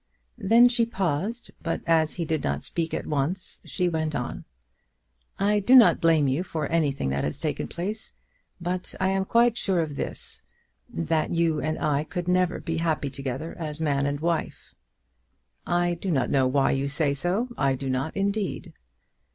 Then she paused, but as he did not speak at once she went on. "I do not blame you for anything that has taken place, but I am quite sure of this, that you and I could never be happy together as man and wife." "I do not know why you say so; I do not indeed."